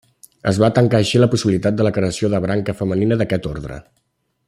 Es va tancar així la possibilitat de la creació de branca femenina d'aquest orde.